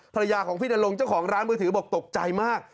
ภรรยาของพี่นรงค์เจ้าของร้านมือถือบอกตกใจมาก